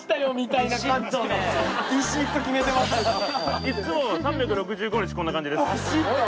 いっつも３６５日こんな感じです。